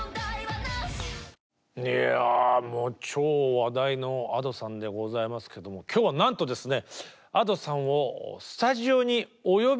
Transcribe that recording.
いやもう超話題のＡｄｏさんでございますけども今日はなんとですねＡｄｏさんをスタジオにお呼びしております。